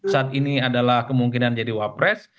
saat ini adalah kemungkinan jadi wapres